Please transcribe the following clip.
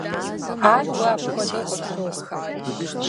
Ар уэ апхуэдэу къыпщохъу.